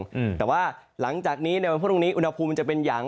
อืมแต่ว่าหลังจากนี้ในวันพรุ่งนี้อุณหภูมิจะเป็นอย่าง